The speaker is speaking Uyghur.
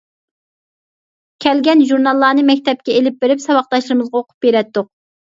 كەلگەن ژۇرناللارنى مەكتەپكە ئېلىپ بېرىپ، ساۋاقداشلىرىمىزغا ئوقۇپ بېرەتتۇق.